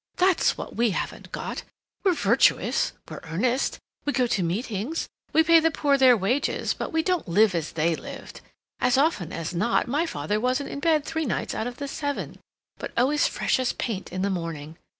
"That's what we haven't got! We're virtuous, we're earnest, we go to meetings, we pay the poor their wages, but we don't live as they lived. As often as not, my father wasn't in bed three nights out of the seven, but always fresh as paint in the morning.